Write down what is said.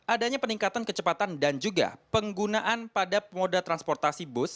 adanya peningkatan kecepatan dan juga penggunaan pada moda transportasi bus